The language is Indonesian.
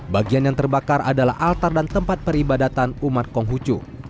bagian yang terbakar adalah altar dan tempat peribadatan umat konghucu